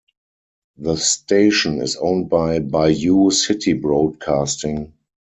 The station is owned by Bayou City Broadcasting.